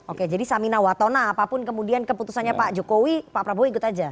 oke jadi samina watona apapun kemudian keputusannya pak jokowi pak prabowo ikut aja